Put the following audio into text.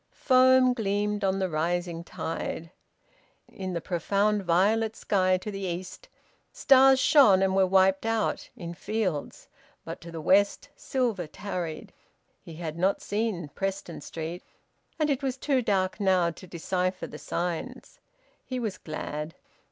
Foam gleamed on the rising tide. In the profound violet sky to the east stars shone and were wiped out, in fields; but to the west, silver tarried. He had not seen Preston Street, and it was too dark now to decipher the signs. He was glad.